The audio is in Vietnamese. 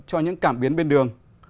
cho những cảm biến bên đường